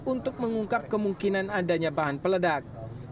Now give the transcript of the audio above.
untuk mengungkap kemungkinan adanya bahan peledak